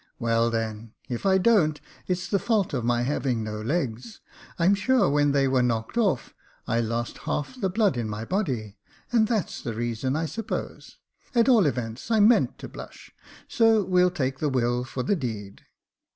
*' Well, then, if I don't, it's the fault of my having no legs. I'm sure, when they were knocked off, I lost half the blood in my body, and that's the reason, I suppose. At all events, I meant to blush, so we'll take the will for the deed."